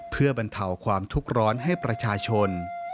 เพื่อบรรเทาความทุกข์ร้อนให้ประชาชน